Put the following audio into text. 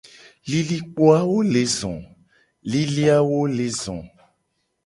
Lilikpoawo le zo.